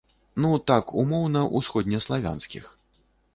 Ну, так умоўна ўсходнеславянскіх.